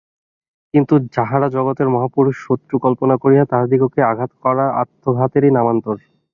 কিন্তু যাঁহারা জগতের মহাপুরুষ, শত্রু কল্পনা করিয়া তাঁহাদিগকে আঘাত করা আত্মঘাতেরই নামান্তর।